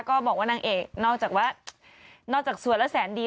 ก็บอกว่านางเอกนอกจากว่านอกจากสวยแล้วแสนดี